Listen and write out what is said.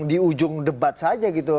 di ujung debat saja gitu